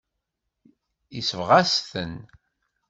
Yesbeɣ-as-ten.